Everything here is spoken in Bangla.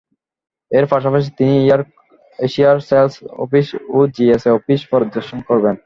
এর পাশাপাশি তিনি এয়ার এশিয়ার সেলস অফিস ও জিএসএ অফিস পরিদর্শন করবেন।